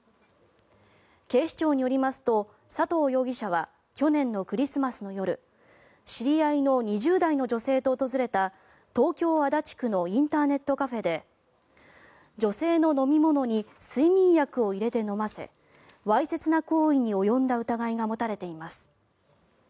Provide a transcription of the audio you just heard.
警視庁によりますと佐藤容疑者は去年のクリスマスの夜知り合いの２０代の女性と訪れた東京・足立区のインターネットカフェで女性の飲み物に睡眠薬を入れて飲ませわいせつな行為に及んだ疑いが持たれています。